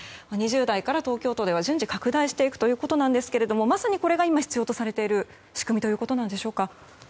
２０代から東京都では、順次拡大していくということですがまさにこれが今必要とされている仕組みということでしょうか。